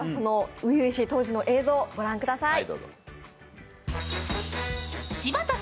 初々しい当時の映像ご覧ください。